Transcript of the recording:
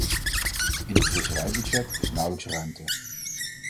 In het visserijbudget is nauwelijks ruimte.